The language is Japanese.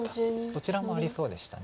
どちらもありそうでした。